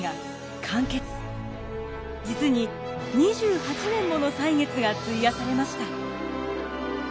実に２８年もの歳月が費やされました。